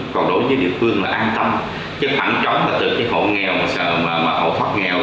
còn đối với địa phương là an tâm chứ khoảng trống là từ khi hộ nghèo mà họ thoát nghèo